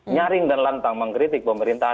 nyaring dan lantang mengkritik pemerintah